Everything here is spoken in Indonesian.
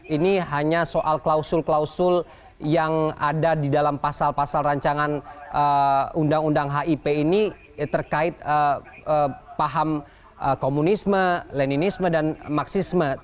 ini hanya soal klausul klausul yang ada di dalam pasal pasal rancangan undang undang hip ini terkait paham komunisme leninisme dan maksisme